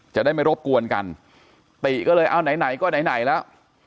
จะได้ไม่รบกวนกันติก็เลยเอาไหนไหนก็ไหนแล้ว